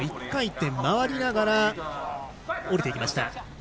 １回転回りながら降りていきました。